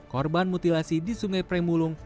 korban mutilasi di sungai premulung